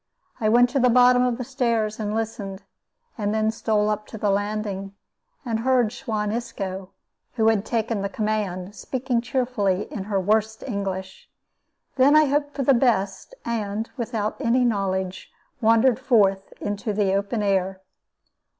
I went to the bottom of the stairs and listened, and then stole up to the landing, and heard Suan Isco, who had taken the command, speaking cheerfully in her worst English. Then I hoped for the best, and, without any knowledge, wandered forth into the open air.